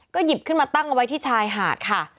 ก็หยิบขึ้นมาตั้งเอาไว้ที่ชายหาดค่ะ